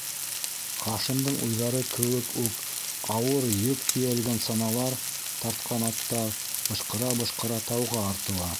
Хашимдың уйҙары кеүек үк ауыр йөк тейәлгән саналар тартҡан аттар бышҡыра-бышҡыра тауға артыла.